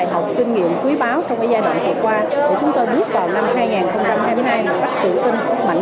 học kinh nghiệm quý báo trong giai đoạn vừa qua của chúng tôi bước vào năm hai nghìn hai mươi hai một cách tự tin mạnh